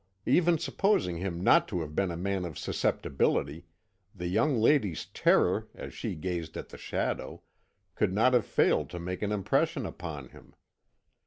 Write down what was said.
Even supposing him not to have been a man of susceptibility, the young lady's terror, as she gazed at the shadow, could not have failed to make an impression upon him.